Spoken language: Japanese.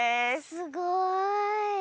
すごい。